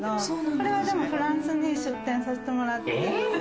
これはフランスに出展させてもらって。